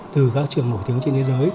từ các trường nổi tiếng trên thế giới